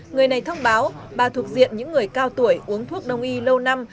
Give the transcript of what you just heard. người này thông báo bà thuộc diện những người cao tuổi uống thuốc đông y lâu năm